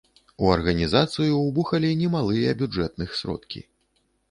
У арганізацыю ўбухалі немалыя бюджэтных сродкі.